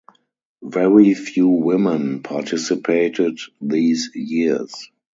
Very few women participated these years.